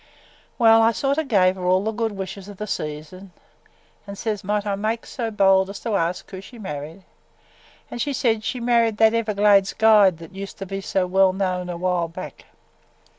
"Well, I sort o' gave her all the good wishes of the season an' says might I make so bold as to ask who she married. An' she says she married that Everglades guide that used to be so well known a while back.